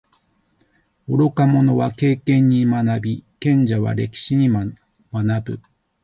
愚か者は経験に学び，賢者は歴史に学ぶ。